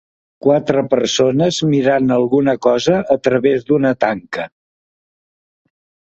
Quatre persones mirant alguna cosa a través d'una tanca.